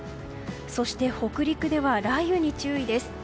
そして、北陸では雷雨に注意です。